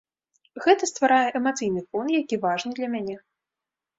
Гэта стварае эмацыйны фон, які важны для мяне.